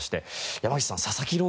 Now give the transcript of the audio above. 山口さん佐々木朗